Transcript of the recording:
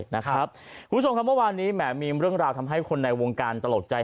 นะครับคุณผู้ชมทำว่าวันนี้แหม่มีเรื่องราวทำให้คนในวงการตลกใจ